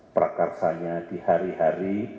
prakarsanya di hari hari